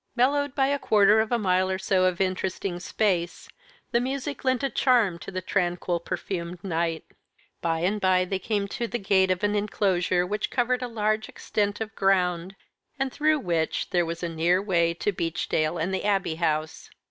Mellowed by a quarter of a mile or so of interesting space, the music lent a charm to the tranquil, perfumed night. By and by they came to the gate of an enclosure which covered a large extent of ground, and through which there was a near way to Beechdale and the Abbey House.